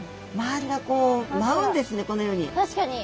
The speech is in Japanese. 確かに。